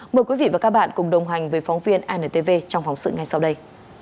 mời quý vị và các bạn cùng đồng hành với phóng viên antv trong phóng sự ngay sau đây